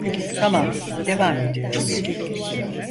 Tamam, devam ediyoruz.